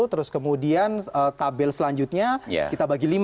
terus kemudian tabel selanjutnya kita bagi lima